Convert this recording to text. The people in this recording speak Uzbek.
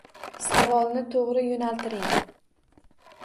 Savolni to’g’ri yo’naltiring